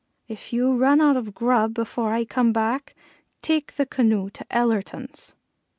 If you run out of grub before I come back take the canoe to Ellerton's."